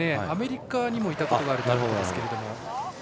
アメリカにもいたことがあると思いますけど。